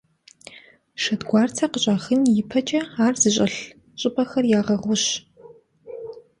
Шэдгуарцэ къыщӀахын ипэкӀэ ар зыщӀэлъ щӀыпӀэхэр ягъэгъущ.